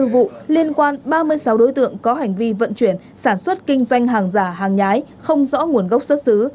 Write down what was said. hai mươi vụ liên quan ba mươi sáu đối tượng có hành vi vận chuyển sản xuất kinh doanh hàng giả hàng nhái không rõ nguồn gốc xuất xứ